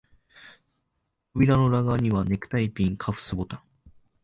扉の裏側には、ネクタイピン、カフスボタン、